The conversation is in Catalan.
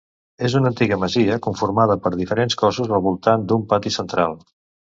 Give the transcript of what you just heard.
És una antiga masia conformada per diferents cossos al voltant d'un pati central.